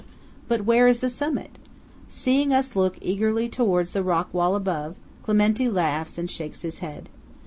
But where is the summit? Seeing us look eagerly towards the rock wall up above, Clementi laughs and shakes his head.